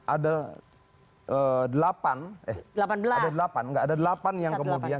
ada delapan tidak ada delapan yang kemudian